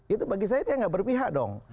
itu bagi saya tidak berpihak dong